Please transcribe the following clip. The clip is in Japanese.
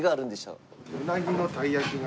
うなぎの鯛焼きが。